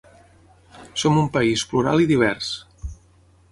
Som un país plural i divers.